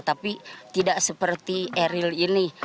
tapi tidak seperti eril ini